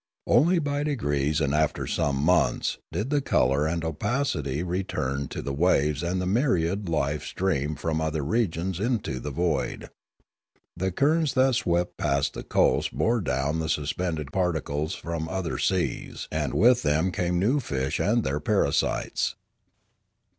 Only by degrees and after some months did the colour and opacity return to the waves and the myriad life stream from other regions into the void. The cur rents that swept past the coasts bore down the sus pended particles from other seas; and with them came new fish and their parasites.